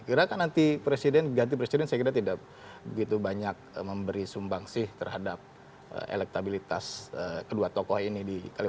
gerakan nanti presiden ganti presiden saya kira tidak begitu banyak memberi sumbang sih terhadap elektabilitas kedua tokoh ini di kalimantan